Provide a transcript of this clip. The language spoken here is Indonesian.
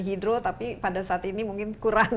hydro tapi pada saat ini mungkin